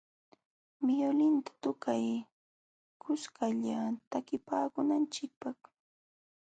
Violinta tukay kuskalla takipaakunanchikpaq.